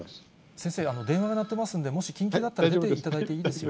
先生、電話が鳴ってますんで、もし緊急だったら、出ていただいていいですよ。